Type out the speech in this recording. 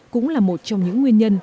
cũng là một trong những nguyên nhân